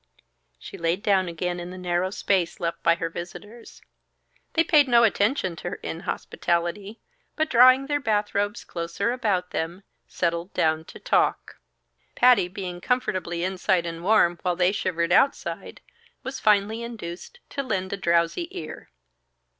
She laid down again in the narrow space left by her visitors. They paid no attention to her inhospitality, but drawing their bath robes closer about them, settled down to talk. Patty, being comfortably inside and warm, while they shivered outside, was finally induced to lend a drowsy ear.